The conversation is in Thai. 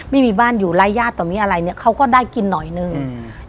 ไม่มีบ้านอยู่รายญาติต่อมีอะไรเนี้ยเขาก็ได้กินหน่อยหนึ่งอืม